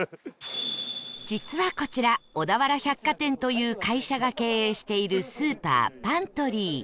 実はこちら小田原百貨店という会社が経営しているスーパー ＰＡＮＴＲＹ